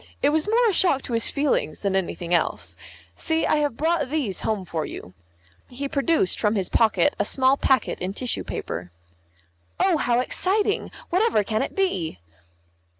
It was more a shock to his feelings than anything else. See, I have brought these home for you." He produced from his pocket a small packet in tissue paper. "Oh, how exciting! Whatever can it be?"